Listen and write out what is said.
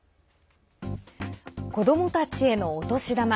子どもたちへのお年玉。